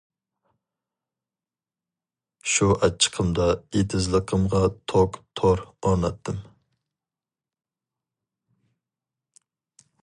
شۇ ئاچچىقىمدا ئېتىزلىقىمغا توك تور ئورناتتىم.